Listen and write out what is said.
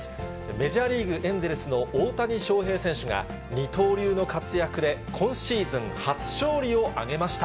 メジャーリーグ・エンゼルスの大谷翔平選手が、二刀流の活躍で、今シーズン初勝利を挙げました。